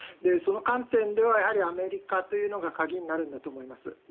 その観点ではアメリカというのが鍵になるんだと思います。